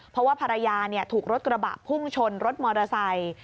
เพราะว่าภรรยาถูกรถกระบะพุ่งชนรถมอเตอร์ไซค์